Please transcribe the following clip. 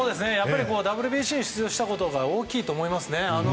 ＷＢＣに出場したことが大きいと思います。